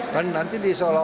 kan nanti di seolah olah